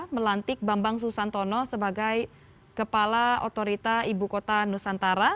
melantik bambang susantono sebagai kepala otorita ibu kota nusantara